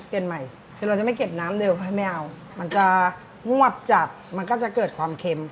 ใหม่คือเราจะไม่เก็บน้ำเร็วให้ไม่เอามันจะงวดจัดมันก็จะเกิดความเค็ม